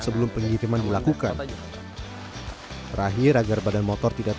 ketemu aku lagi